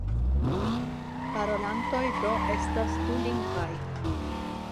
Parolantoj do estas dulingvaj.